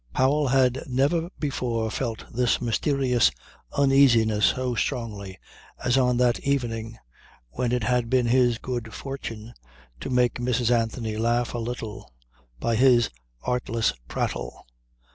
Powell had never before felt this mysterious uneasiness so strongly as on that evening when it had been his good fortune to make Mrs. Anthony laugh a little by his artless prattle.